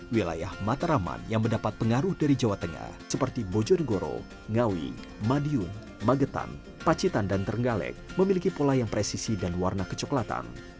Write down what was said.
wilayah mataraman yang mendapat pengaruh dari jawa tengah seperti bojonegoro ngawi madiun magetan pacitan dan terenggalek memiliki pola yang presisi dan warna kecoklatan